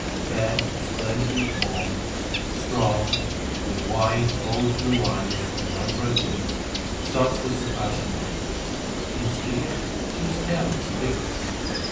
Fair, splendidly formed, strong, with wide, bold, blue eyes and ripe red lips, such was the fashion of her. In speech she was careless and vigorous.